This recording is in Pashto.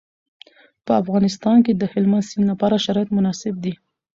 په افغانستان کې د هلمند سیند لپاره شرایط مناسب دي.